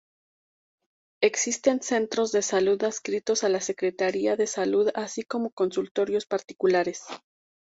Existen Centros de Salud adscritos a la Secretaría de Salud así como consultorios particulares.